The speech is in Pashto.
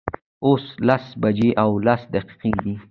اوس لس بجې او لس دقیقې دي